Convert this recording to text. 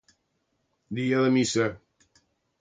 Dia de missa.